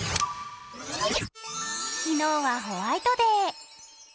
昨日はホワイトデー。